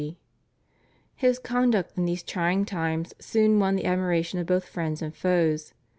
His conduct in these trying times soon won the admiration of both friends and foes.